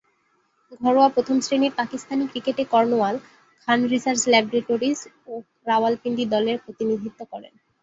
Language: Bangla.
ঘরোয়া প্রথম-শ্রেণীর পাকিস্তানি ক্রিকেটে কর্নওয়াল, খান রিসার্চ ল্যাবরেটরিজ ও রাওয়ালপিন্ডি দলের প্রতিনিধিত্ব করেন।